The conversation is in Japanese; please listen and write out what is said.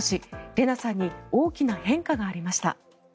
レナさんに大きな変化がありました。